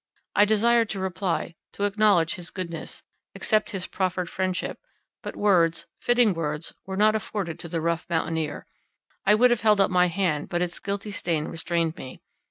I desired to reply, to acknowledge his goodness, accept his proffered friendship; but words, fitting words, were not afforded to the rough mountaineer; I would have held out my hand, but its guilty stain restrained me.